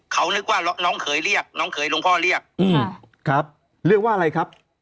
เขานึกว่าน้องเขยเรียกน้องเขยหลวงพ่อเรียกอืมครับเรียกว่าอะไรครับ